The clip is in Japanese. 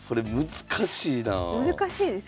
難しいですよね。